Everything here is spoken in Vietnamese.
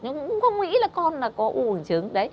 nhưng cũng không nghĩ là con có u bùng trứng